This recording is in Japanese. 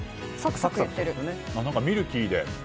ミルキーで。